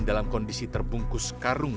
dalam kondisi terbungkus karung